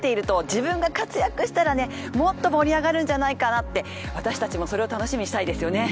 自分が活躍したらもっと盛り上がるんじゃないかなって、私たちもそれを楽しみにしたいですよね。